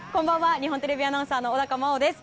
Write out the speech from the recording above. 日本テレビアナウンサーの小高茉緒です。